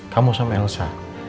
kamu sama elsa